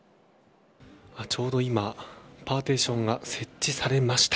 ちょうど今、パーティションが設置されました。